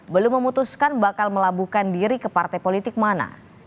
belum memutuskan bakal melabuhkan diri ke partai politik mana